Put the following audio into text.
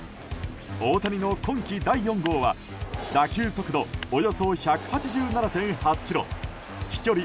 大谷の今季第４号は打球速度およそ１８７．８キロ飛距離